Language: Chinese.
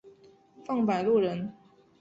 范百禄人。